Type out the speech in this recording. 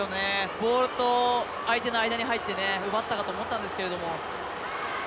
ボールと相手の間に入って奪ったかと思ったんですが。